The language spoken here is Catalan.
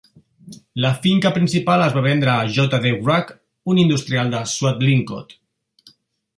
La finca principal es va vendre a J. D. Wragg, un industrial de Swadlincote.